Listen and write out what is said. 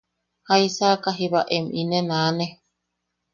–¿Jaisaka jiiba em inen aane?